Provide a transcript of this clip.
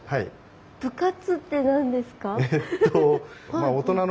部活って何ですか？